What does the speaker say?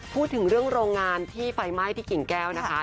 พูดถึงเรื่องโรงงานที่ไฟไหม้ที่กิ่งแก้วนะคะ